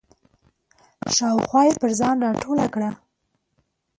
شاوخوا یې پر ځان راټوله کړه.